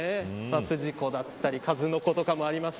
筋子だったり数の子とかもありますし